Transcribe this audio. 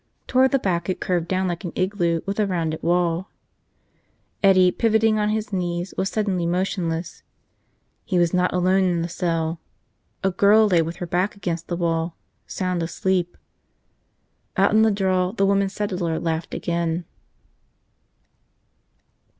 Toward the back it curved down like an igloo, with a rounded wall. ... Eddie, pivoting on his knees, was suddenly motionless. He was not alone in the cell. A girl lay with her back against the wall, sound asleep. Out in the draw, the woman settler laughed again.